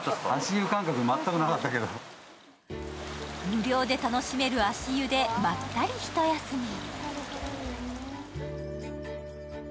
無料で楽しめる足湯でまったり一休み。